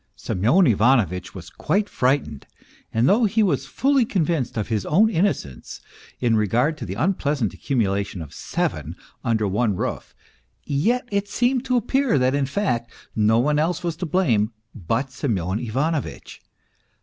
Semyon Ivanovitch was quite frightened, and though he was fully convinced of his own innocence in regard to the unpleasant accumulation of seven under one roof, yet it seemed to appear that in fact no one else was to blame but Semyon Ivanovitch.